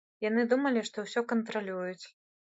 Яны думалі, што ўсё кантралююць.